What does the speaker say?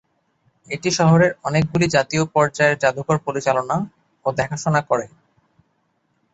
এটি শহরের অনেকগুলি জাতীয় পর্যায়ের জাদুঘর পরিচালনা ও দেখাশোনা করে।